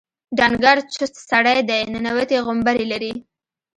ډنګر چوست سړی دی ننوتي غومبري لري.